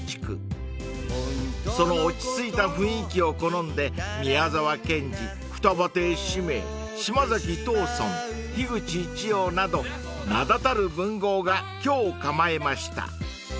［その落ち着いた雰囲気を好んで宮沢賢治二葉亭四迷島崎藤村樋口一葉など名だたる文豪が居を構えました］